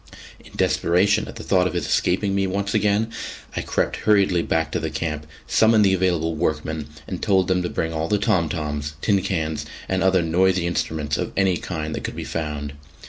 In desperation at the thought of his escaping me once again, I crept hurriedly back to the camp, summoned the available workmen and told them to bring all the tom toms, tin cans, and other noisy instruments of any kind that could be found.